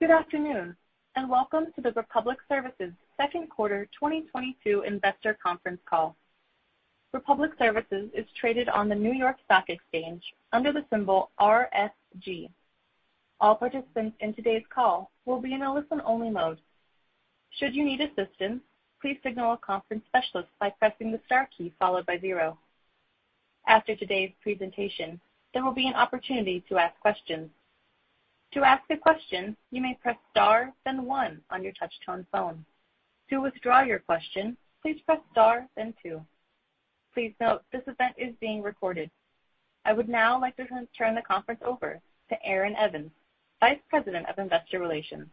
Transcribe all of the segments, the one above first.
Good afternoon, and welcome to the Republic Services second quarter 2022 investor conference call. Republic Services is traded on the New York Stock Exchange under the symbol RSG. All participants in today's call will be in a listen-only mode. Should you need assistance, please signal a conference specialist by pressing the star key followed by zero. After today's presentation, there will be an opportunity to ask questions. To ask a question, you may press star, then one on your touchtone phone. To withdraw your question, please press star, then two. Please note this event is being recorded. I would now like to turn the conference over to Aaron Evans, Vice President of Investor Relations.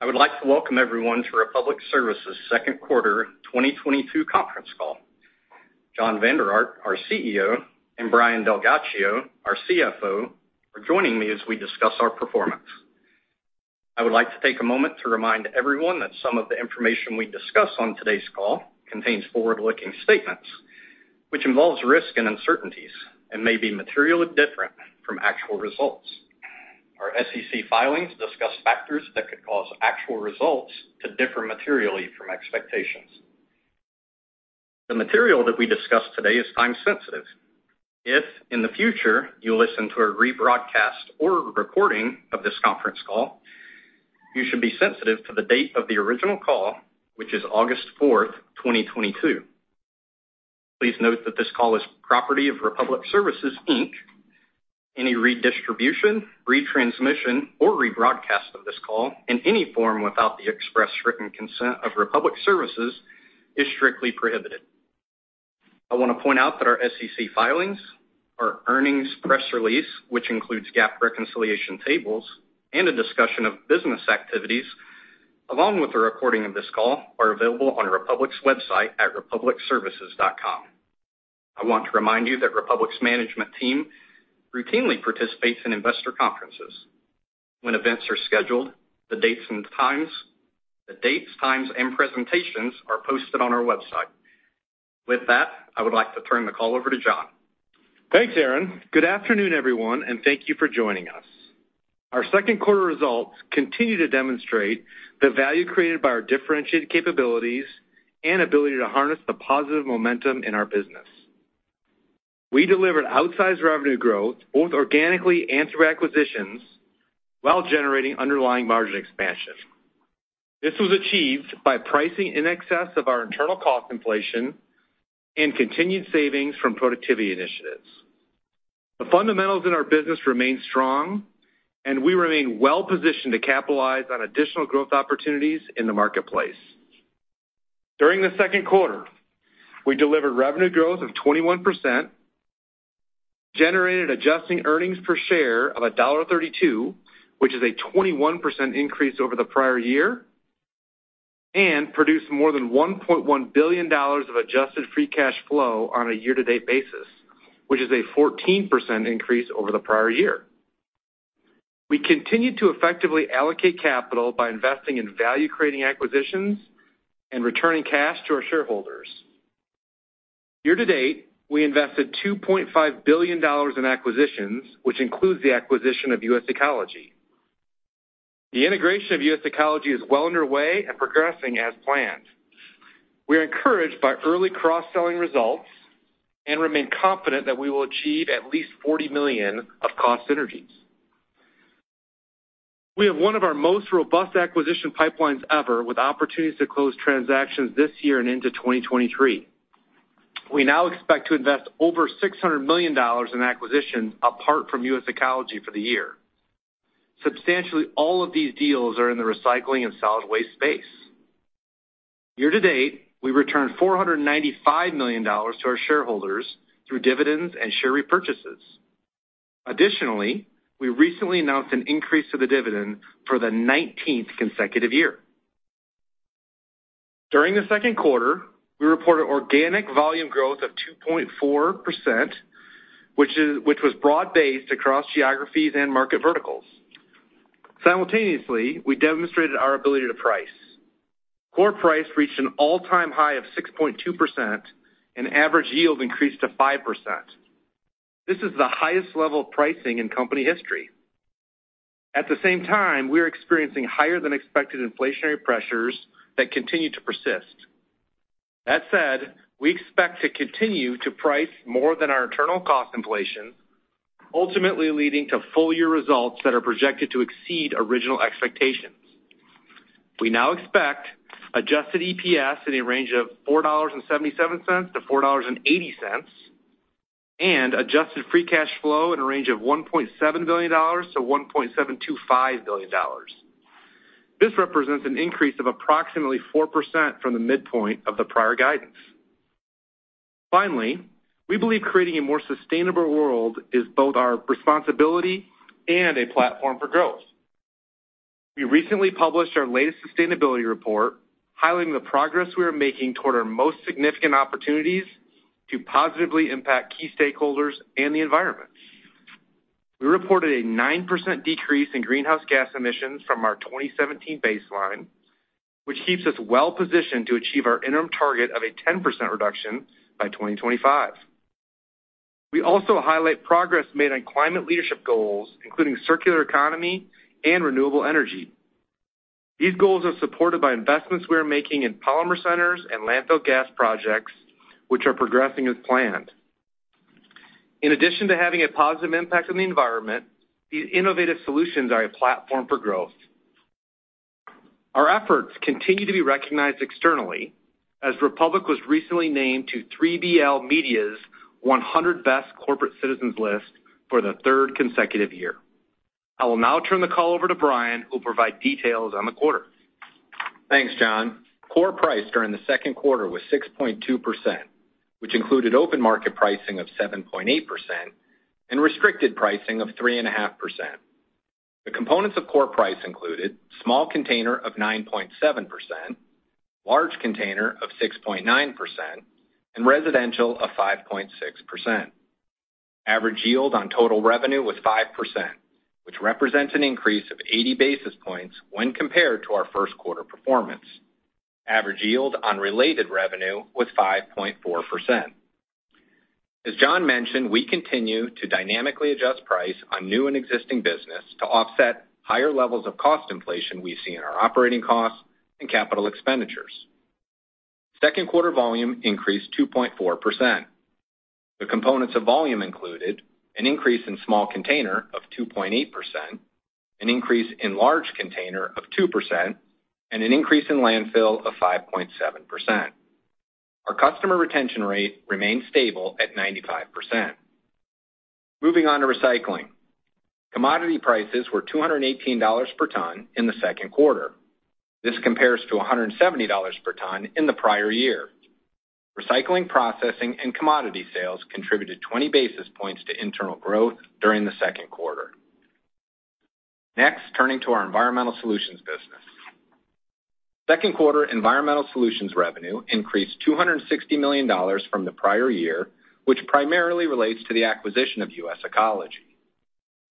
I would like to welcome everyone to Republic Services second quarter 2022 conference call. Jon Vander Ark, our CEO, and Brian DelGhiaccio, our CFO, are joining me as we discuss our performance. I would like to take a moment to remind everyone that some of the information we discuss on today's call contains forward-looking statements, which involves risks and uncertainties and may be materially different from actual results. Our SEC filings discuss factors that could cause actual results to differ materially from expectations. The material that we discuss today is time-sensitive. If, in the future, you listen to a rebroadcast or recording of this conference call, you should be sensitive to the date of the original call, which is August 4, 2022. Please note that this call is property of Republic Services, Inc. Any redistribution, retransmission, or rebroadcast of this call in any form without the express written consent of Republic Services is strictly prohibited. I want to point out that our SEC filings, our earnings press release, which includes GAAP reconciliation tables and a discussion of business activities, along with a recording of this call, are available on Republic's website at republicservices.com. I want to remind you that Republic's management team routinely participates in investor conferences. When events are scheduled, the dates, times, and presentations are posted on our website. With that, I would like to turn the call over to Jon Vander Ark. Thanks, Aaron. Good afternoon, everyone, and thank you for joining us. Our second quarter results continue to demonstrate the value created by our differentiated capabilities and ability to harness the positive momentum in our business. We delivered outsized revenue growth, both organically and through acquisitions, while generating underlying margin expansion. This was achieved by pricing in excess of our internal cost inflation and continued savings from productivity initiatives. The fundamentals in our business remain strong, and we remain well-positioned to capitalize on additional growth opportunities in the marketplace. During the second quarter, we delivered revenue growth of 21%, generated adjusted earnings per share of $1.32, which is a 21% increase over the prior year, and produced more than $1.1 billion of adjusted free cash flow on a year-to-date basis, which is a 14% increase over the prior year. We continued to effectively allocate capital by investing in value-creating acquisitions and returning cash to our shareholders. Year to date, we invested $2.5 billion in acquisitions, which includes the acquisition of US Ecology. The integration of US Ecology is well underway and progressing as planned. We are encouraged by early cross-selling results and remain confident that we will achieve at least $40 million of cost synergies. We have one of our most robust acquisition pipelines ever, with opportunities to close transactions this year and into 2023. We now expect to invest over $600 million in acquisitions apart from US Ecology for the year. Substantially, all of these deals are in the recycling and solid waste space. Year to date, we returned $495 million to our shareholders through dividends and share repurchases. Additionally, we recently announced an increase to the dividend for the 19th consecutive year. During the second quarter, we reported organic volume growth of 2.4%, which was broad-based across geographies and market verticals. Simultaneously, we demonstrated our ability to price. Core price reached an all-time high of 6.2%, and average yield increased to 5%. This is the highest level of pricing in company history. At the same time, we are experiencing higher than expected inflationary pressures that continue to persist. That said, we expect to continue to price more than our internal cost inflation, ultimately leading to full-year results that are projected to exceed original expectations. We now expect adjusted EPS in a range of $4.77-$4.80, and adjusted free cash flow in a range of $1.7 billion-$1.725 billion. This represents an increase of approximately 4% from the midpoint of the prior guidance. Finally, we believe creating a more sustainable world is both our responsibility and a platform for growth. We recently published our latest sustainability report highlighting the progress we are making toward our most significant opportunities to positively impact key stakeholders and the environment. We reported a 9% decrease in greenhouse gas emissions from our 2017 baseline, which keeps us well positioned to achieve our interim target of a 10% reduction by 2025. We also highlight progress made on climate leadership goals, including circular economy and renewable energy. These goals are supported by investments we are making in Polymer Centers and landfill gas projects, which are progressing as planned. In addition to having a positive impact on the environment, these innovative solutions are a platform for growth. Our efforts continue to be recognized externally, as Republic was recently named to 3BL Media's 100 Best Corporate Citizens list for the third consecutive year. I will now turn the call over to Brian, who'll provide details on the quarter. Thanks, Jon. Core price during the second quarter was 6.2%, which included open market pricing of 7.8% and restricted pricing of 3.5%. The components of core price included small container of 9.7%, large container of 6.9%, and residential of 5.6%. Average yield on total revenue was 5%, which represents an increase of 80 basis points when compared to our first quarter performance. Average yield on related revenue was 5.4%. As Jon mentioned, we continue to dynamically adjust price on new and existing business to offset higher levels of cost inflation we see in our operating costs and capital expenditures. Second quarter volume increased 2.4%. The components of volume included an increase in small container of 2.8%, an increase in large container of 2%, and an increase in landfill of 5.7%. Our customer retention rate remained stable at 95%. Moving on to recycling. Commodity prices were $218 per ton in the second quarter. This compares to $170 per ton in the prior year. Recycling, processing, and commodity sales contributed 20 basis points to internal growth during the second quarter. Next, turning to our Environmental Solutions business. Second quarter Environmental Solutions revenue increased $260 million from the prior year, which primarily relates to the acquisition of US Ecology.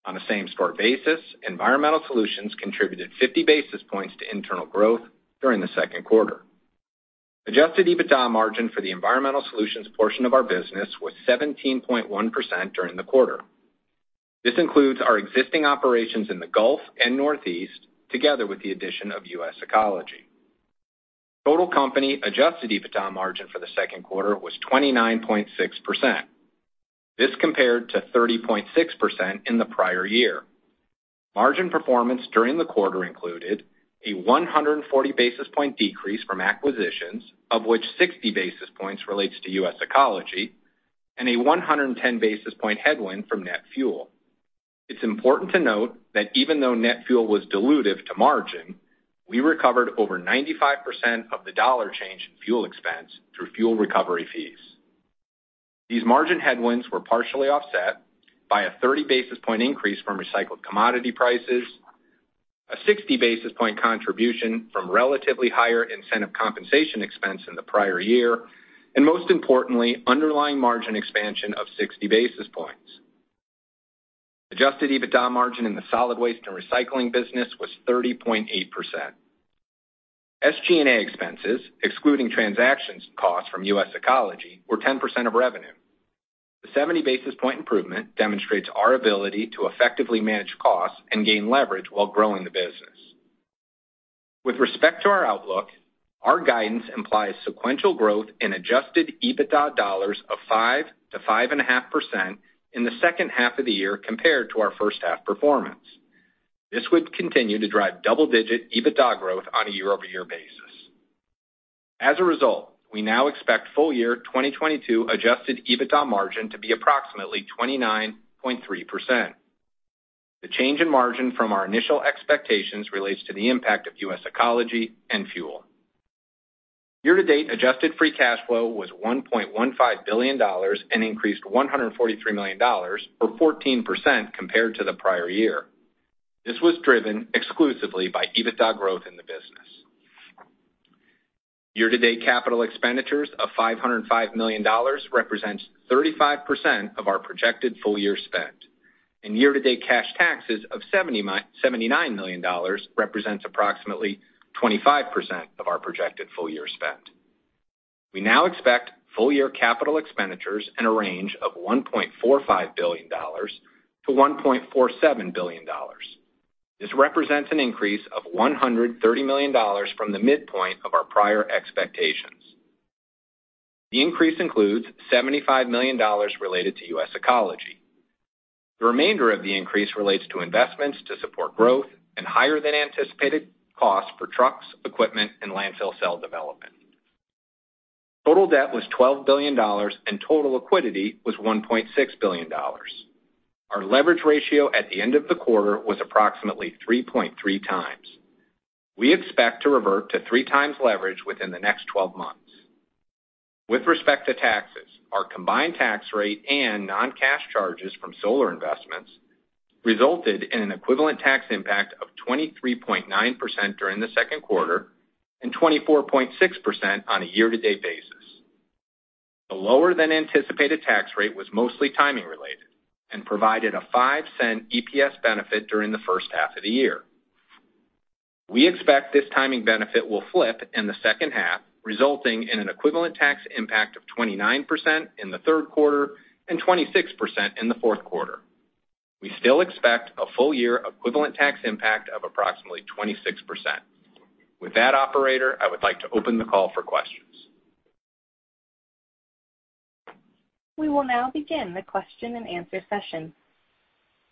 On a same store basis, Environmental Solutions contributed 50 basis points to internal growth during the second quarter. Adjusted EBITDA margin for the Environmental Solutions portion of our business was 17.1% during the quarter. This includes our existing operations in the Gulf and Northeast, together with the addition of US Ecology. Total company adjusted EBITDA margin for the second quarter was 29.6%. This compared to 30.6% in the prior year. Margin performance during the quarter included a 140 basis point decrease from acquisitions, of which 60 basis points relates to US Ecology and a 110 basis point headwind from net fuel. It's important to note that even though net fuel was dilutive to margin, we recovered over 95% of the dollar change in fuel expense through fuel recovery fees. These margin headwinds were partially offset by a 30 basis point increase from recycled commodity prices, a 60 basis point contribution from relatively higher incentive compensation expense in the prior year, and most importantly, underlying margin expansion of 60 basis points. Adjusted EBITDA margin in the solid waste and recycling business was 30.8%. SG&A expenses, excluding transactions costs from US Ecology, were 10% of revenue. The 70 basis points improvement demonstrates our ability to effectively manage costs and gain leverage while growing the business. With respect to our outlook, our guidance implies sequential growth in adjusted EBITDA dollars of 5%-5.5% in the second half of the year compared to our first half performance. This would continue to drive double-digit EBITDA growth on a year-over-year basis. As a result, we now expect full year 2022 adjusted EBITDA margin to be approximately 29.3%. The change in margin from our initial expectations relates to the impact of US Ecology and fuel. Year to date, adjusted free cash flow was $1.15 billion, an increase $143 million or 14% compared to the prior year. This was driven exclusively by EBITDA growth in the business. Year-to-date capital expenditures of $505 million represents 35% of our projected full-year spend. Year-to-date cash taxes of $79 million represents approximately 25% of our projected full-year spend. We now expect full-year capital expenditures in a range of $1.45 billion-$1.47 billion. This represents an increase of $130 million from the midpoint of our prior expectations. The increase includes $75 million related to US Ecology. The remainder of the increase relates to investments to support growth and higher than anticipated costs for trucks, equipment, and landfill cell development. Total debt was $12 billion, and total liquidity was $1.6 billion. Our leverage ratio at the end of the quarter was approximately 3.3x. We expect to revert to 3x leverage within the next 12 months. With respect to taxes, our combined tax rate and non-cash charges from solar investments resulted in an equivalent tax impact of 23.9% during the second quarter and 24.6% on a year to date basis. The lower than anticipated tax rate was mostly timing related and provided a $0.05 EPS benefit during the first half of the year. We expect this timing benefit will flip in the second half, resulting in an equivalent tax impact of 29% in the third quarter and 26% in the fourth quarter. We still expect a full year equivalent tax impact of approximately 26%. With that, operator, I would like to open the call for questions. We will now begin the question and answer session.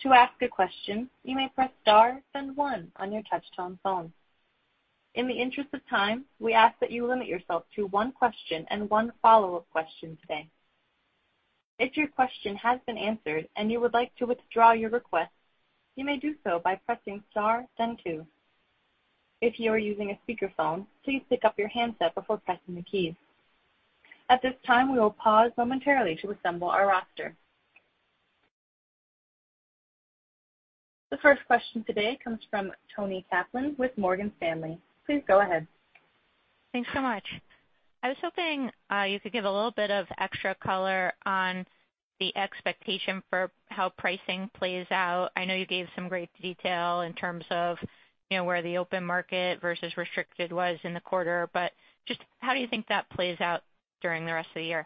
To ask a question, you may press star then one on your touchtone phone. In the interest of time, we ask that you limit yourself to one question and one follow-up question today. If your question has been answered and you would like to withdraw your request, you may do so by pressing star then two. If you are using a speakerphone, please pick up your handset before pressing the keys. At this time, we will pause momentarily to assemble our roster. The first question today comes from Toni Kaplan with Morgan Stanley. Please go ahead. Thanks so much. I was hoping you could give a little bit of extra color on the expectation for how pricing plays out. I know you gave some great detail in terms of, you know, where the open market versus restricted was in the quarter, but just how do you think that plays out during the rest of the year?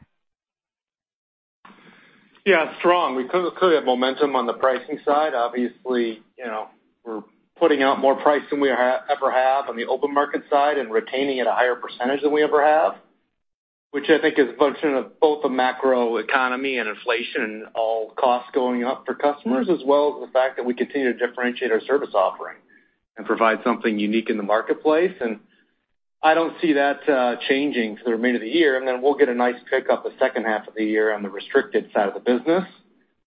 Yeah, strong. We clearly have momentum on the pricing side. Obviously, you know, we're putting out more price than we ever have on the open market side and retaining at a higher percentage than we ever have, which I think is a function of both the macro economy and inflation and all costs going up for customers, as well as the fact that we continue to differentiate our service offering and provide something unique in the marketplace. I don't see that changing through the remainder of the year. We'll get a nice pickup in the second half of the year on the restricted side of the business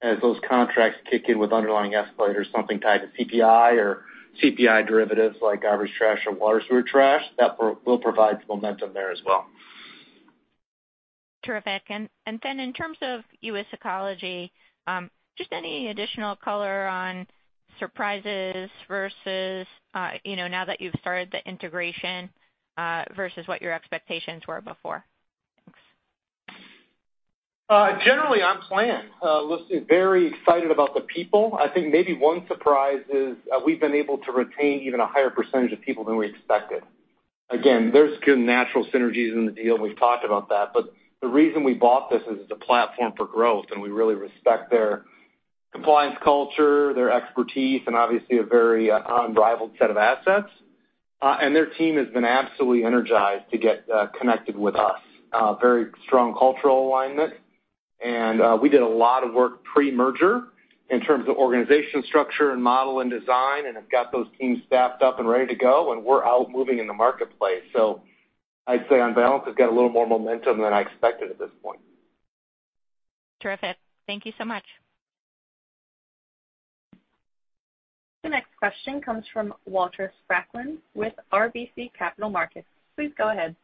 as those contracts kick in with underlying escalators, something tied to CPI or CPI derivatives like garbage, trash or water, sewer, trash. That will provide some momentum there as well. Terrific. In terms of US Ecology, just any additional color on surprises versus you know, now that you've started the integration, versus what your expectations were before? Thanks. Generally on plan. Listen, very excited about the people. I think maybe one surprise is, we've been able to retain even a higher percentage of people than we expected. Again, there's good natural synergies in the deal, and we've talked about that. The reason we bought this is it's a platform for growth, and we really respect their compliance culture, their expertise, and obviously a very unrivaled set of assets. Their team has been absolutely energized to get connected with us. Very strong cultural alignment. We did a lot of work pre-merger in terms of organization structure and model and design, and have got those teams staffed up and ready to go, and we're out moving in the marketplace. I'd say on balance, it's got a little more momentum than I expected at this point. Terrific. Thank you so much. The next question comes from Walter Spracklin with RBC Capital Markets. Please go ahead.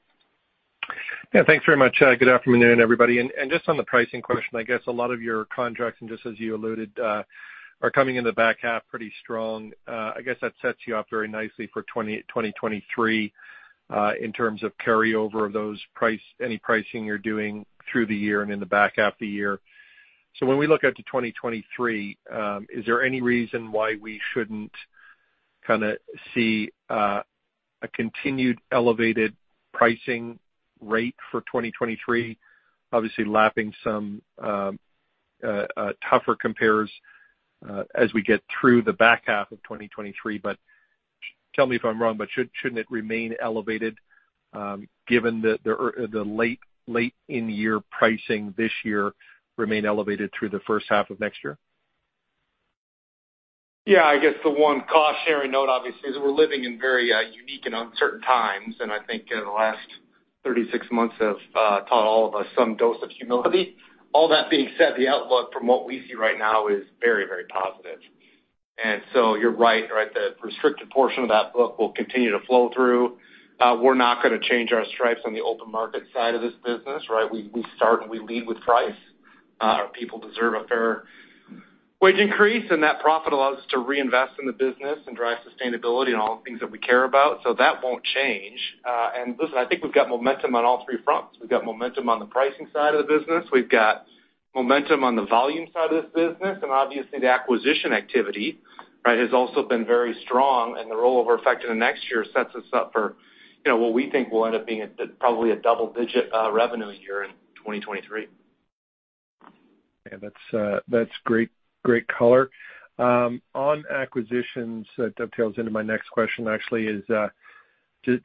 Yeah, thanks very much. Good afternoon, everybody. Just on the pricing question, I guess a lot of your contracts, and just as you alluded, are coming in the back half pretty strong. I guess that sets you up very nicely for 2023, in terms of carryover of those any pricing you're doing through the year and in the back half of the year. When we look out to 2023, is there any reason why we shouldn't kinda see a continued elevated pricing rate for 2023? Obviously, lapping some tougher compares as we get through the back half of 2023, but tell me if I'm wrong, but shouldn't it remain elevated given the late in the year pricing this year remain elevated through the first half of next year? Yeah, I guess the one cautionary note, obviously, is we're living in very, unique and uncertain times, and I think the last 36 months have taught all of us some dose of humility. All that being said, the outlook from what we see right now is very, very positive. You're right, the restricted portion of that book will continue to flow through. We're not gonna change our stripes on the open market side of this business, right? We start, and we lead with price. Our people deserve a fair wage increase, and that profit allows us to reinvest in the business and drive sustainability and all the things that we care about. That won't change. Listen, I think we've got momentum on all three fronts. We've got momentum on the pricing side of the business. We've got momentum on the volume side of this business, and obviously the acquisition activity, right, has also been very strong. The rollover effect in the next year sets us up for, you know, what we think will end up being a double-digit revenue year in 2023. Yeah, that's great color. On acquisitions, that dovetails into my next question, actually, is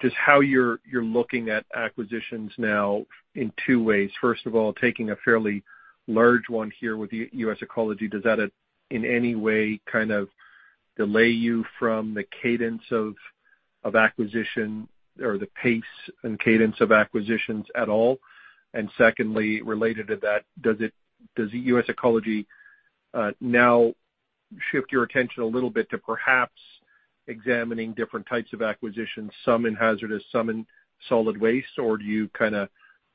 just how you're looking at acquisitions now in two ways. First of all, taking a fairly large one here with US Ecology, does that in any way kind of delay you from the cadence of acquisition or the pace and cadence of acquisitions at all? Secondly, related to that, does US Ecology now shift your attention a little bit to perhaps examining different types of acquisitions, some in hazardous, some in solid waste? Or do you kinda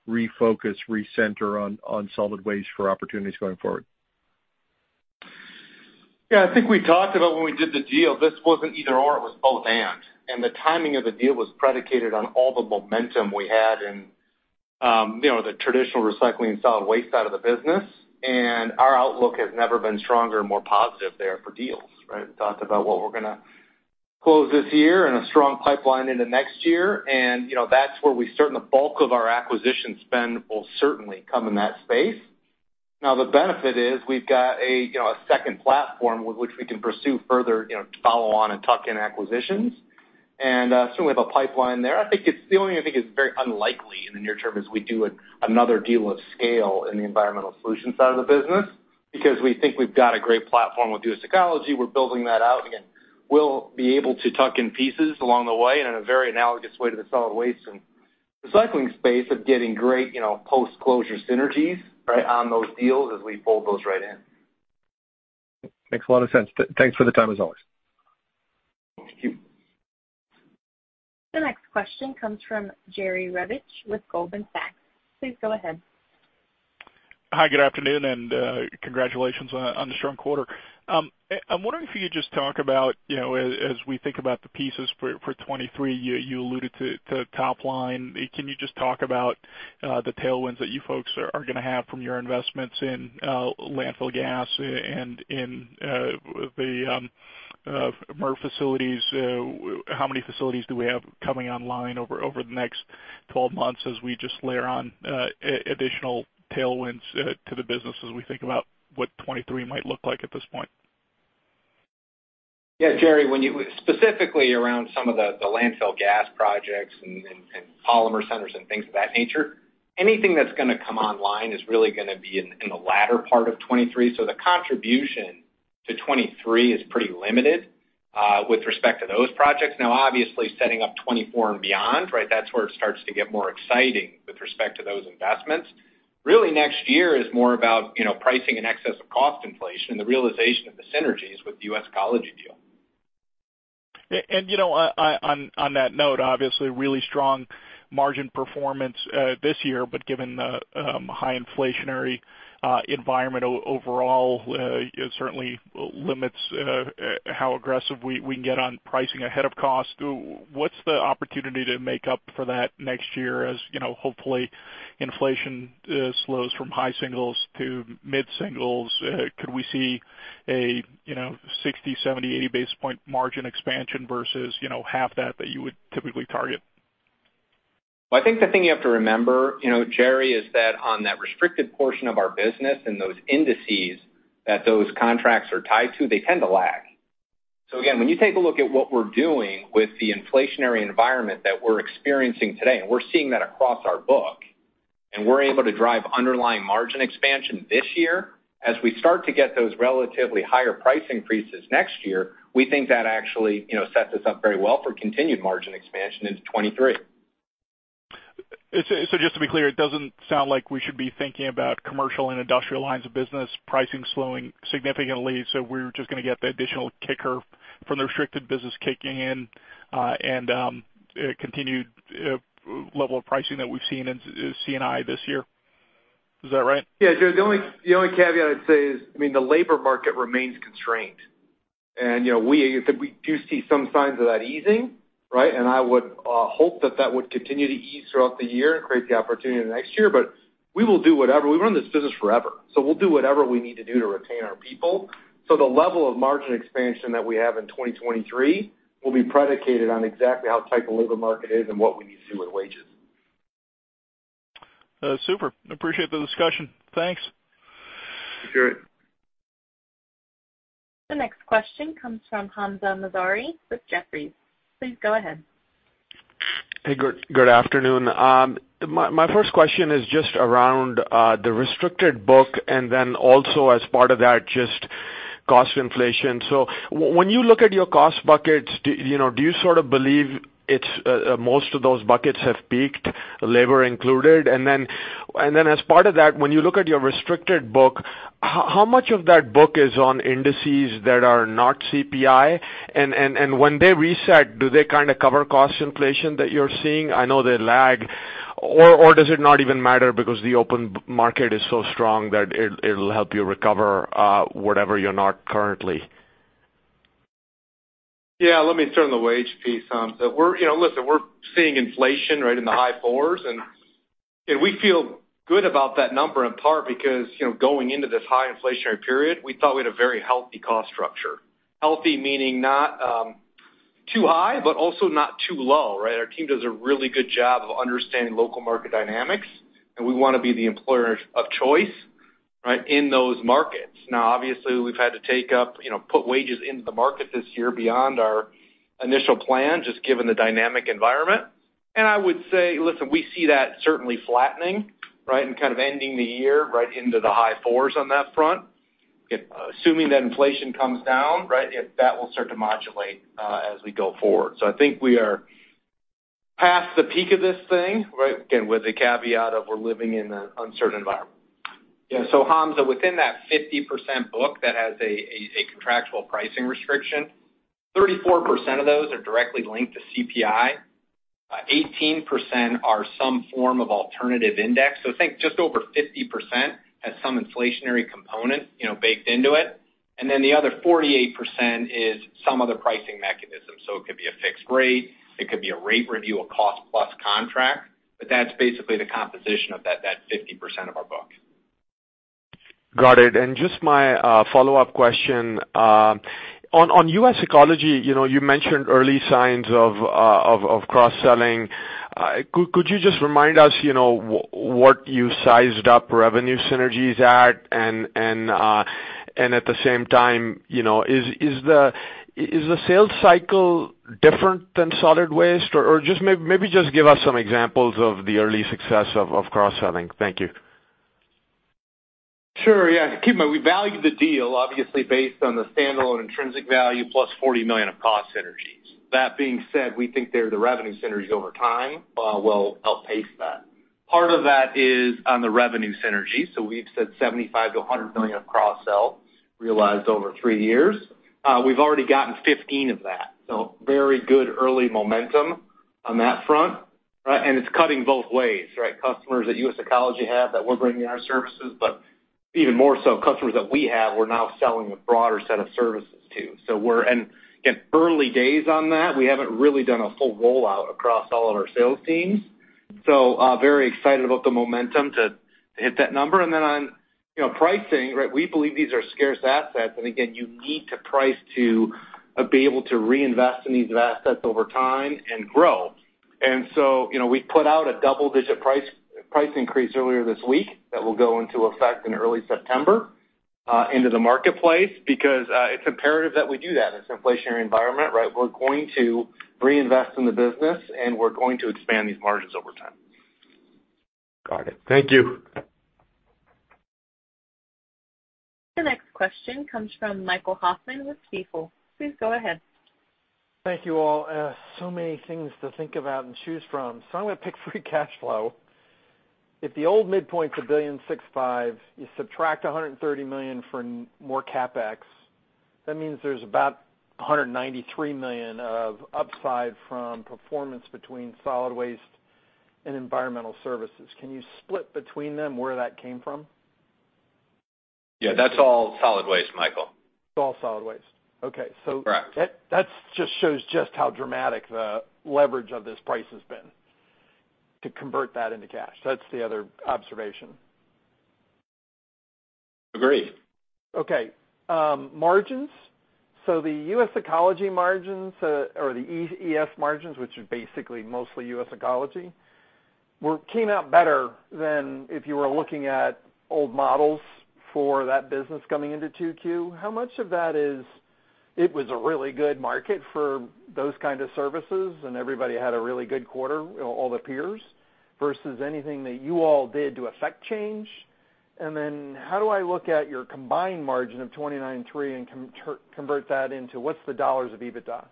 refocus, recenter on solid waste for opportunities going forward? Yeah, I think we talked about when we did the deal, this wasn't either/or, it was both/and. The timing of the deal was predicated on all the momentum we had in, you know, the traditional recycling solid waste side of the business. Our outlook has never been stronger and more positive there for deals, right? We talked about what we're gonna close this year and a strong pipeline into next year. You know, that's where the bulk of our acquisition spend will certainly come in that space. Now, the benefit is we've got a, you know, a second platform with which we can pursue further, you know, follow-on and tuck-in acquisitions. So we have a pipeline there. I think the only thing I think is very unlikely in the near term is we do another deal of scale in the Environmental Solutions side of the business because we think we've got a great platform with US Ecology. We're building that out. Again, we'll be able to tuck in pieces along the way in a very analogous way to the solid waste and recycling space of getting great, you know, post-closure synergies, right, on those deals as we pull those right in. Makes a lot of sense. Thanks for the time, as always. Thank you. The next question comes from Jerry Revich with Goldman Sachs. Please go ahead. Hi, good afternoon, and congratulations on the strong quarter. I'm wondering if you could just talk about, you know, as we think about the pieces for 2023, you alluded to top line. Can you just talk about the tailwinds that you folks are gonna have from your investments in landfill gas and in the MRF facilities? How many facilities do we have coming online over the next 12 months as we just layer on additional tailwinds to the business as we think about what 2023 might look like at this point? Yeah, Jerry, specifically around some of the landfill gas projects and Polymer Centers and things of that nature, anything that's gonna come online is really gonna be in the latter part of 2023. The contribution to 2023 is pretty limited with respect to those projects. Now, obviously, setting up 2024 and beyond, right? That's where it starts to get more exciting with respect to those investments. Really, next year is more about, you know, pricing in excess of cost inflation, the realization of the synergies with the US Ecology deal. You know, on that note, obviously really strong margin performance this year, but given the high inflationary environment overall, it certainly limits how aggressive we can get on pricing ahead of cost. What's the opportunity to make up for that next year as you know, hopefully inflation slows from high singles to mid singles? Could we see a you know, 60, 70, 80 basis points margin expansion versus you know, half that you would typically target? Well, I think the thing you have to remember, you know, Jerry, is that on that restricted portion of our business and those indices that those contracts are tied to, they tend to lag. Again, when you take a look at what we're doing with the inflationary environment that we're experiencing today, and we're seeing that across our book, and we're able to drive underlying margin expansion this year, as we start to get those relatively higher price increases next year, we think that actually, you know, sets us up very well for continued margin expansion into 2023. Just to be clear, it doesn't sound like we should be thinking about commercial and industrial lines of business pricing slowing significantly, so we're just gonna get the additional kicker from the residential business kicking in, and a continued level of pricing that we've seen in C&I this year. Is that right? Yeah. The only caveat I'd say is, I mean, the labor market remains constrained. You know, we do see some signs of that easing, right? I would hope that would continue to ease throughout the year and create the opportunity next year. We will do whatever. We run this business forever, so we'll do whatever we need to do to retain our people. The level of margin expansion that we have in 2023 will be predicated on exactly how tight the labor market is and what we need to do with wages. Super. Appreciate the discussion. Thanks. Sure. The next question comes from Hamzah Mazari with Jefferies. Please go ahead. Hey, good afternoon. My first question is just around the restricted book and then also as part of that, just cost inflation. When you look at your cost buckets, you know, do you sort of believe it's most of those buckets have peaked, labor included? And then as part of that, when you look at your restricted book, how much of that book is on indices that are not CPI? And when they reset, do they kinda cover cost inflation that you're seeing? I know they lag. Or does it not even matter because the open market is so strong that it'll help you recover whatever you're not currently? Yeah. Let me turn the wage piece on. We're seeing inflation right in the high fours, and we feel good about that number in part because, you know, going into this high inflationary period, we thought we had a very healthy cost structure. Healthy meaning not too high, but also not too low, right? Our team does a really good job of understanding local market dynamics, and we wanna be the employer of choice, right, in those markets. Now, obviously, we've had to take up, you know, put wages into the market this year beyond our initial plan, just given the dynamic environment. I would say, listen, we see that certainly flattening, right, and kind of ending the year right into the high fours on that front. Assuming that inflation comes down, right, that will start to modulate as we go forward. I think we are past the peak of this thing, right? Again, with the caveat of we're living in an uncertain environment. Yeah. Hamzah, within that 50% book that has a contractual pricing restriction, 34% of those are directly linked to CPI. 18% are some form of alternative index. Think just over 50% has some inflationary component, you know, baked into it. And then the other 48% is some other pricing mechanism. It could be a fixed rate, it could be a rate review, a cost-plus contract, but that's basically the composition of that 50% of our book. Got it. Just my follow-up question on US Ecology, you know, you mentioned early signs of cross-selling. Could you just remind us, you know, what you sized up revenue synergies at? At the same time, you know, is the sales cycle different than solid waste? Or maybe just give us some examples of the early success of cross-selling. Thank you. Sure. Yeah. Keep in mind, we valued the deal obviously based on the standalone intrinsic value plus $40 million of cost synergies. That being said, we think that the revenue synergies over time will outpace that. Part of that is the revenue synergy. We've said $75 million-$100 million of cross-sell realized over three years. We've already gotten 15 of that, so very good early momentum on that front, right? It's cutting both ways, right? Customers that US Ecology have that we're bringing our services, but even more so customers that we have, we're now selling a broader set of services to. We're. Again, early days on that, we haven't really done a full rollout across all of our sales teams. Very excited about the momentum to hit that number. Then on, you know, pricing, right? We believe these are scarce assets. Again, you need to price, too, be able to reinvest in these assets over time and grow. You know, we put out a double-digit price increase earlier this week that will go into effect in early September into the marketplace because it's imperative that we do that in this inflationary environment, right? We're going to reinvest in the business, and we're going to expand these margins over time. Got it. Thank you. The next question comes from Michael Hoffman with Stifel. Please go ahead. Thank you all. So many things to think about and choose from, I'm gonna pick free cash flow. If the old midpoint's $1.65 billion, you subtract $130 million for more CapEx, that means there's about $193 million of upside from performance between solid waste and environmental services. Can you split between them where that came from? Yeah. That's all solid waste, Michael. It's all solid waste. Okay. Correct. That just shows just how dramatic the leverage of this price has been to convert that into cash. That's the other observation. Agreed. Okay. Margins. The US Ecology margins, or the ES margins, which are basically mostly US Ecology, came out better than if you were looking at old models for that business coming into 2Q. How much of that is it was a really good market for those kind of services and everybody had a really good quarter, you know, all the peers versus anything that you all did to affect change? Then how do I look at your combined margin of 29.3% and convert that into what's the dollars of EBITDA?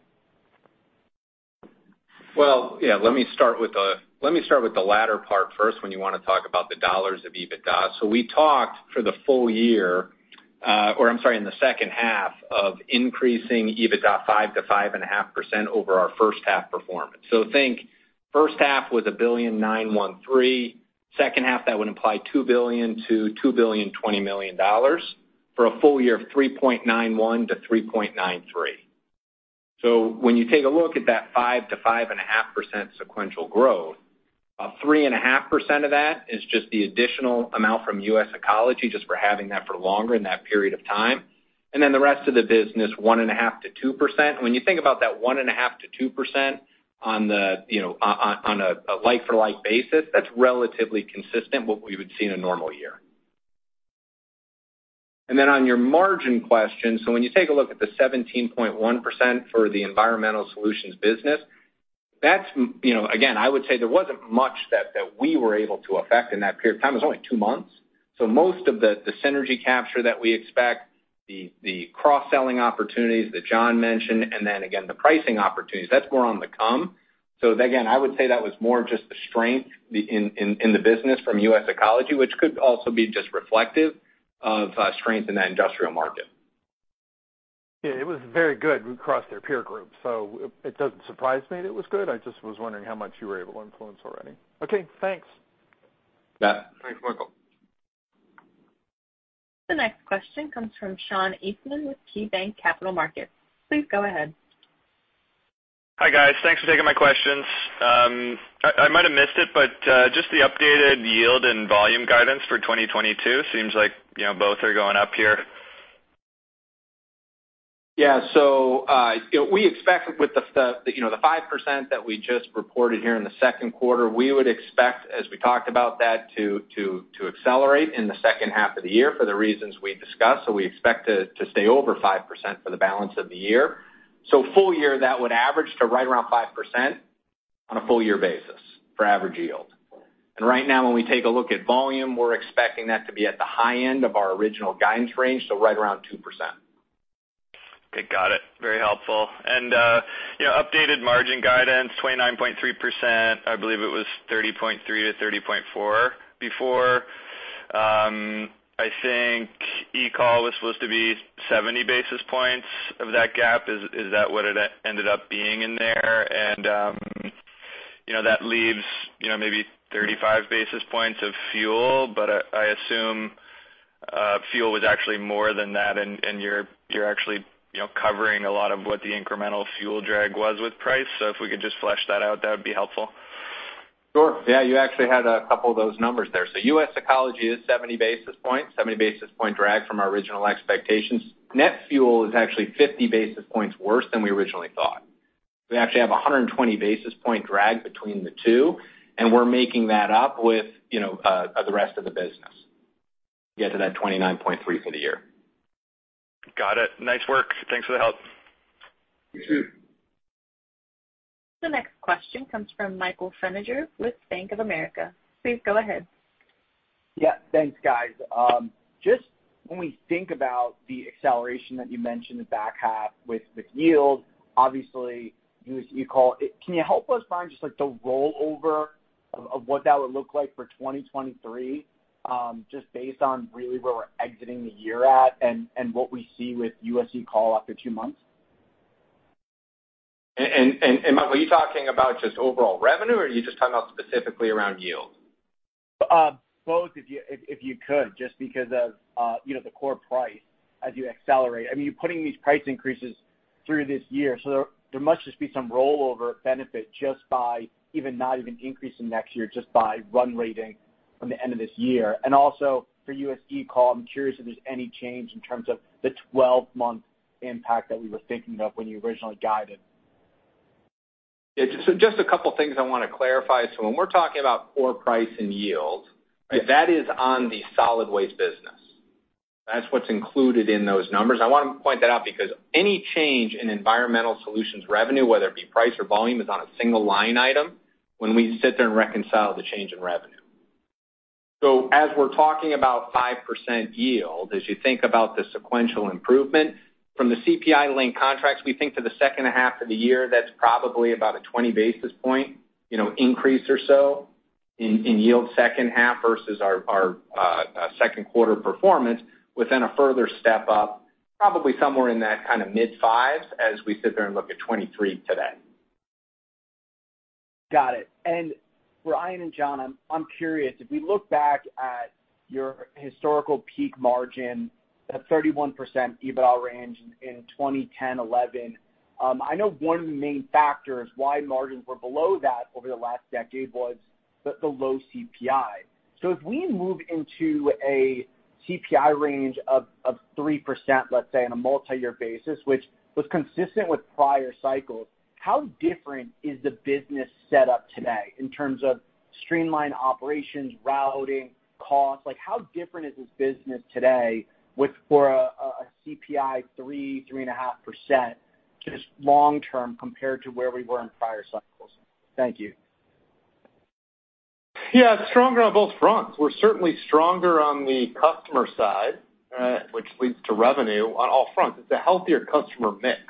Well, yeah, let me start with the latter part first when you wanna talk about the dollars of EBITDA. We talked for the full year, in the second half of increasing EBITDA 5%-5.5% over our first half performance. Think first half was $1.913 billion. Second half, that would imply $2 billion-$2.02 billion dollars for a full year of $3.91 billion-$3.93 billion. When you take a look at that 5%-5.5% sequential growth, 3.5% of that is just the additional amount from US Ecology, just for having that for longer in that period of time. The rest of the business, 1.5%-2%. When you think about that 1.5%-2% on the, you know, on a like for like basis, that's relatively consistent what we would see in a normal year. Then on your margin question, when you take a look at the 17.1% for the Environmental Solutions business, you know, again, I would say there wasn't much that we were able to affect in that period of time. It was only two months. Most of the synergy capture that we expect, the cross-selling opportunities that Jon mentioned, and then again, the pricing opportunities, that's more on the come. Again, I would say that was more of just the strength in the business from US Ecology, which could also be just reflective of strength in that industrial market. Yeah, it was very good across their peer group, so it doesn't surprise me that it was good. I just was wondering how much you were able to influence already. Okay, thanks. Yeah. Thanks, Michael. The next question comes from Sean Eastman with KeyBanc Capital Markets. Please go ahead. Hi, guys. Thanks for taking my questions. I might have missed it, but just the updated yield and volume guidance for 2022 seems like, you know, both are going up here. Yeah. You know, we expect with the, you know, the 5% that we just reported here in the second quarter. We would expect, as we talked about that, to accelerate in the second half of the year for the reasons we discussed. We expect to stay over 5% for the balance of the year. Full year, that would average to right around 5% on a full year basis for average yield. Right now when we take a look at volume, we're expecting that to be at the high end of our original guidance range, so right around 2%. Okay, got it. Very helpful. You know, updated margin guidance, 29.3%. I believe it was 30.3%-30.4% before. I think US Ecology was supposed to be 70 basis points of that gap. Is that what it ended up being in there? You know, that leaves, you know, maybe 35 basis points of fuel, but I assume fuel was actually more than that and you're actually, you know, covering a lot of what the incremental fuel drag was with price. So if we could just flesh that out, that would be helpful. Sure. Yeah, you actually had a couple of those numbers there. US Ecology is 70 basis points, 70 basis point drag from our original expectations. Net fuel is actually 50 basis points worse than we originally thought. We actually have a 120 basis point drag between the two, and we're making that up with, you know, the rest of the business to get to that 29.3 for the year. Got it. Nice work. Thanks for the help. You too. The next question comes from Michael Feniger with Bank of America. Please go ahead. Yeah, thanks, guys. Just when we think about the acceleration that you mentioned in the back half with yield, obviously US Ecology. Can you help us, Brian, just like the rollover of what that would look like for 2023, just based on really where we're exiting the year at and what we see with ESG call after two months? Michael, are you talking about just overall revenue, or are you just talking about specifically around yield? Both, if you could, just because of, you know, the core price as you accelerate. I mean, you're putting these price increases through this year, so there must just be some rollover benefit just by even not even increasing next year, just by run rating from the end of this year. Also for US Ecology, I'm curious if there's any change in terms of the 12-month impact that we were thinking of when you originally guided. Yeah. Just a couple of things I wanna clarify. When we're talking about core price and yield. Yeah. That is on the solid waste business. That's what's included in those numbers. I want to point that out because any change in Environmental Solutions revenue, whether it be price or volume, is on a single line item when we sit there and reconcile the change in revenue. As we're talking about 5% yield, as you think about the sequential improvement from the CPI linked contracts, we think for the second half of the year, that's probably about a 20 basis points, you know, increase or so in yield second half versus our second quarter performance. With then a further step up, probably somewhere in that kinda mid fives as we sit there and look at 2023 to that. Got it. Brian and Jon, I'm curious. If we look back at your historical peak margin, that 31% EBITDA range in 2010, 2011, I know one of the main factors why margins were below that over the last decade was the low CPI. If we move into a CPI range of 3%, let's say, on a multi-year basis, which was consistent with prior cycles, how different is the business set up today in terms of streamlined operations, routing, costs? Like, how different is this business today with a 3%-3.5% CPI just long term compared to where we were in prior cycles? Thank you. Yeah. Stronger on both fronts. We're certainly stronger on the customer side, which leads to revenue on all fronts. It's a healthier customer mix.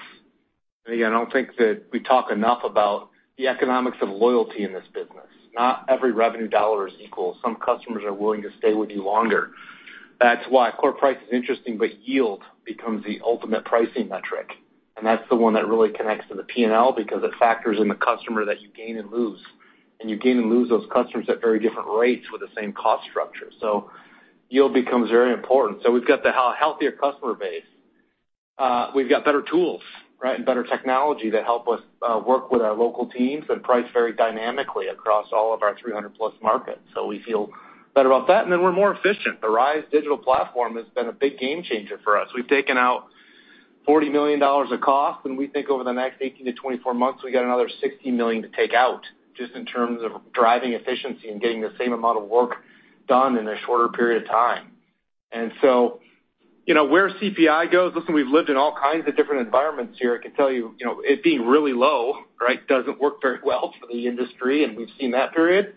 Again, I don't think that we talk enough about the economics of loyalty in this business. Not every revenue dollar is equal. Some customers are willing to stay with you longer. That's why core price is interesting, but yield becomes the ultimate pricing metric, and that's the one that really connects to the P&L because it factors in the customer that you gain and lose, and you gain and lose those customers at very different rates with the same cost structure. Yield becomes very important. We've got the healthier customer base. We've got better tools, right? And better technology to help us work with our local teams and price very dynamically across all of our 300+ markets. We feel better about that. Then we're more efficient. The RISE digital platform has been a big game changer for us. We've taken out $40 million of cost, and we think over the next 18-24 months, we got another $60 million to take out just in terms of driving efficiency and getting the same amount of work done in a shorter period of time. You know, where CPI goes, listen, we've lived in all kinds of different environments here. I can tell you know, it being really low, right, doesn't work very well for the industry, and we've seen that period.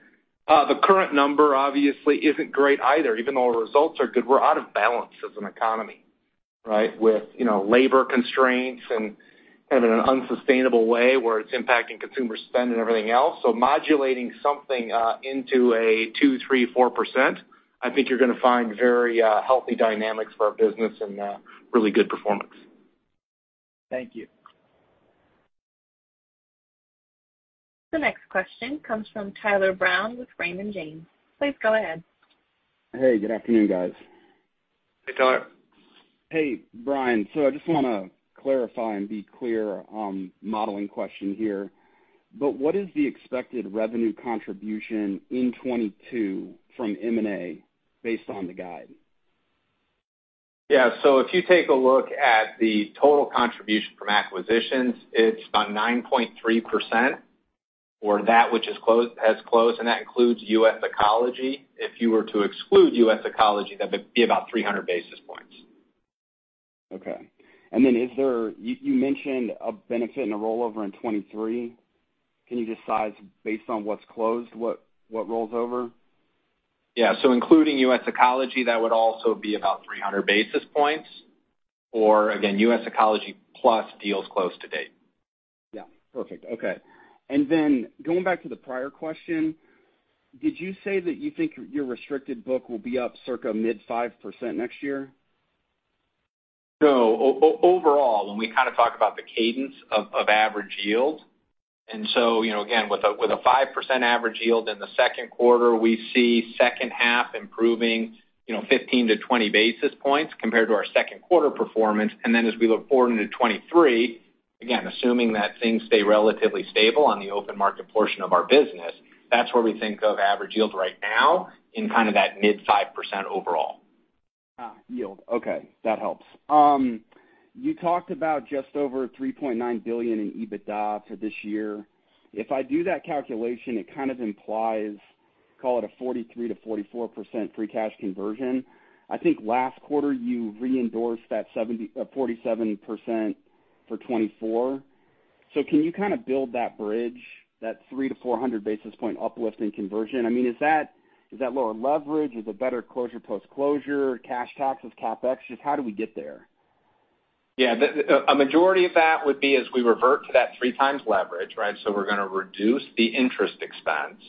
The current number obviously isn't great either. Even though our results are good, we're out of balance as an economy, right? With, you know, labor constraints and in an unsustainable way where it's impacting consumer spend and everything else. Modulating something into a 2, 3, 4%, I think you're gonna find very healthy dynamics for our business and really good performance. Thank you. The next question comes from Tyler Brown with Raymond James. Please go ahead. Hey, good afternoon, guys. Hey, Tyler. Hey, Brian. I just wanna clarify and be clear on modeling question here. What is the expected revenue contribution in 2022 from M&A based on the guide? Yeah. If you take a look at the total contribution from acquisitions, it's 9.3% for that which has closed, and that includes US Ecology. If you were to exclude US Ecology, that'd be about 300 basis points. Okay. Is there, you mentioned a benefit and a rollover in 2023. Can you just size based on what's closed, what rolls over? Yeah. Including US Ecology, that would also be about 300 basis points. Again, US Ecology plus deals closed to date. Yeah. Perfect. Okay. Going back to the prior question, did you say that you think your restricted book will be up circa mid-5% next year? Overall, when we kind of talk about the cadence of average yield, you know, again, with a 5% average yield in the second quarter, we see second half improving, you know, 15-20 basis points compared to our second quarter performance. Then as we look forward into 2023, again, assuming that things stay relatively stable on the open market portion of our business, that's where we think of average yields right now in kind of that mid-5% overall. Yield. Okay, that helps. You talked about just over $3.9 billion in EBITDA for this year. If I do that calculation, it kind of implies, call it a 43%-44% free cash conversion. I think last quarter you re-endorsed that 47% for 2024. Can you kind of build that bridge, that 300-400 basis point uplift in conversion? I mean, is that lower leverage? Is it better closure, post-closure, cash taxes, CapEx? Just how do we get there? Yeah. A majority of that would be as we revert to that 3x leverage, right? We're gonna reduce the interest expense.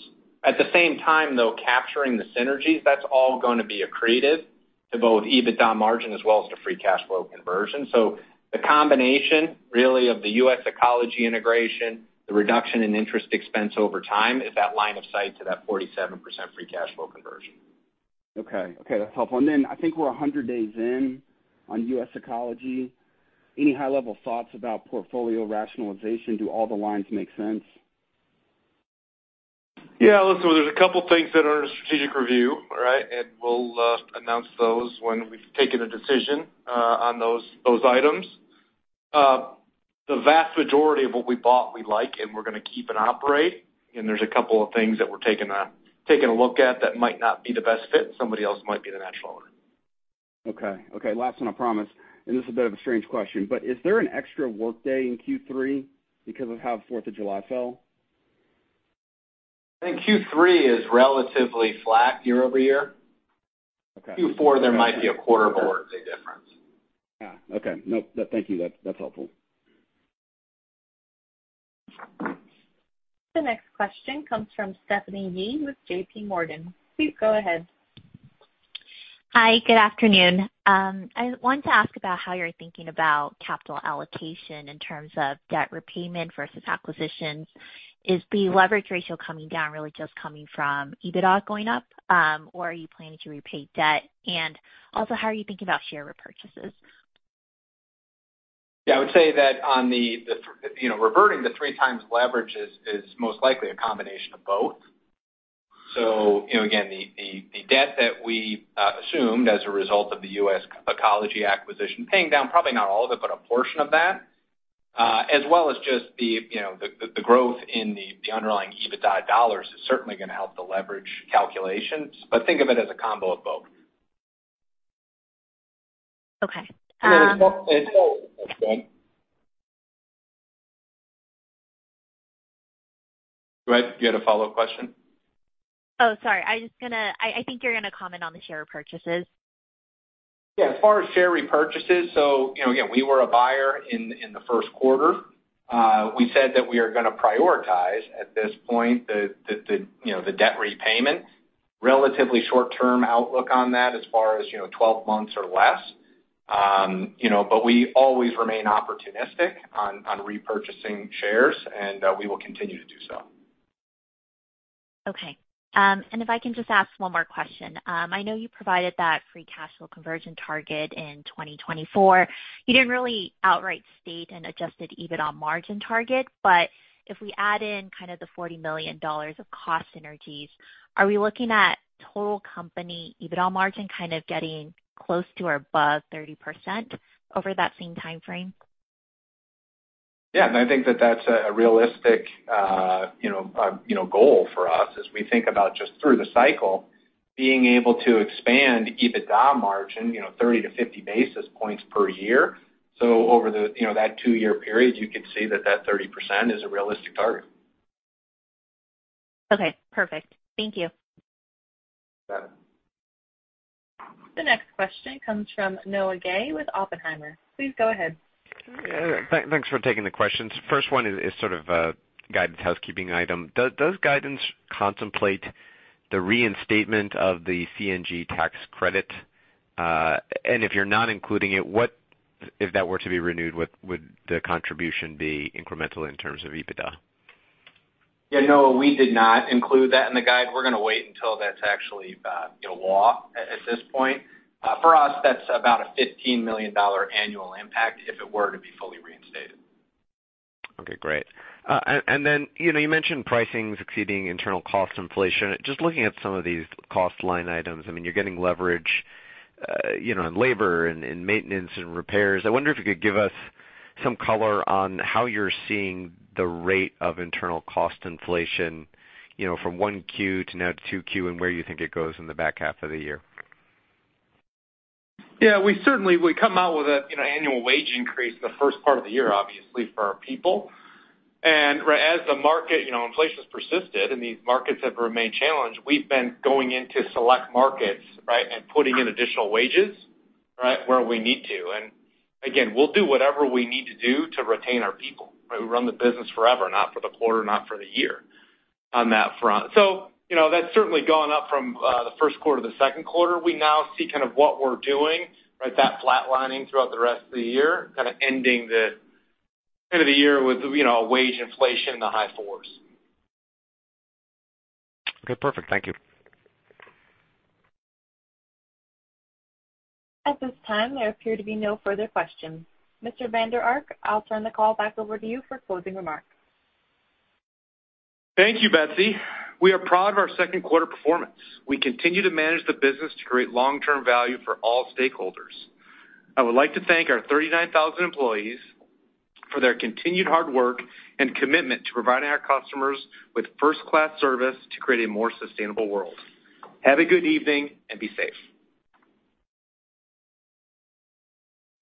At the same time, though, capturing the synergies, that's all gonna be accretive to both EBITDA margin as well as to free cash flow conversion. The combination really of the US Ecology integration, the reduction in interest expense over time is that line of sight to that 47% free cash flow conversion. Okay. Okay, that's helpful. I think we're 100 days in on US Ecology. Any high-level thoughts about portfolio rationalization? Do all the lines make sense? Yeah. Listen, there's a couple things that are under strategic review, all right? We'll announce those when we've taken a decision on those items. The vast majority of what we bought, we like, and we're gonna keep and operate. There's a couple of things that we're taking a look at that might not be the best fit. Somebody else might be the natural owner. Okay. Last one, I promise, and this is a bit of a strange question, but is there an extra workday in Q3 because of how Fourth of July fell? I think Q3 is relatively flat year-over-year. Okay. Q4, there might be a quarter workday difference. Yeah. Okay. Nope. Thank you. That's helpful. The next question comes from Stephanie Yee with JPMorgan. Please go ahead. Hi. Good afternoon. I wanted to ask about how you're thinking about capital allocation in terms of debt repayment versus acquisitions. Is the leverage ratio coming down really just coming from EBITDA going up, or are you planning to repay debt? How are you thinking about share repurchases? Yeah, I would say that on the you know, reverting to 3x leverage is most likely a combination of both. You know, again, the debt that we assumed as a result of the US Ecology acquisition, paying down probably not all of it, but a portion of that, as well as just the you know, the growth in the underlying EBITDA dollars is certainly gonna help the leverage calculations, but think of it as a combo of both. Okay. Go ahead. Do you have a follow-up question? Oh, sorry. I think you're gonna comment on the share repurchases. Yeah. As far as share repurchases, you know, again, we were a buyer in the first quarter. We said that we are gonna prioritize at this point the, you know, the debt repayment. Relatively short-term outlook on that as far as, you know, 12 months or less. You know, we always remain opportunistic on repurchasing shares, and we will continue to do so. If I can just ask one more question. I know you provided that free cash flow conversion target in 2024. You didn't really outright state an adjusted EBITDA margin target, but if we add in kind of the $40 million of cost synergies, are we looking at total company EBITDA margin kind of getting close to or above 30% over that same timeframe? Yeah, I think that that's a realistic, you know, you know, goal for us as we think about just through the cycle being able to expand EBITDA margin, you know, 30-50 basis points per year. Over the, you know, that two-year period, you could say that that 30% is a realistic target. Okay. Perfect. Thank you. Got it. The next question comes from Noah Kaye with Oppenheimer. Please go ahead. Thanks for taking the questions. First one is sort of a guidance housekeeping item. Does guidance contemplate the reinstatement of the CNG tax credit? If you're not including it, if that were to be renewed, what would the contribution be incremental in terms of EBITDA? Yeah, Noah, we did not include that in the guide. We're gonna wait until that's actually law at this point. For us, that's about a $15 million annual impact if it were to be fully reinstated. Okay, great. Then, you know, you mentioned pricing exceeding internal cost inflation. Just looking at some of these cost line items, I mean, you're getting leverage, you know, in labor and in maintenance and repairs. I wonder if you could give us some color on how you're seeing the rate of internal cost inflation, you know, from 1Q to now 2Q and where you think it goes in the back half of the year. Yeah. We certainly come out with a, you know, annual wage increase the first part of the year, obviously for our people. As the market, you know, inflation's persisted and these markets have remained challenged, we've been going into select markets, right, and putting in additional wages, right, where we need to. Again, we'll do whatever we need to do to retain our people. We run the business forever, not for the quarter, not for the year on that front. You know, that's certainly gone up from the first quarter to the second quarter. We now see kind of what we're doing, right, that flatlining throughout the rest of the year, kinda ending at the end of the year with, you know, a wage inflation in the high fours. Okay. Perfect. Thank you. At this time, there appear to be no further questions. Mr. Vander Ark, I'll turn the call back over to you for closing remarks. Thank you, Betsy. We are proud of our second quarter performance. We continue to manage the business to create long-term value for all stakeholders. I would like to thank our 39,000 employees for their continued hard work and commitment to providing our customers with first-class service to create a more sustainable world. Have a good evening and be safe.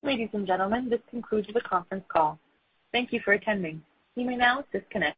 Ladies and gentlemen, this concludes the conference call. Thank you for attending. You may now disconnect.